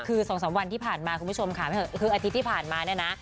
คือ๒๓วันที่ผ่านมาคุณผู้ชมค่ะคืออาทิตย์ที่ผ่านมาเนี่ยนะ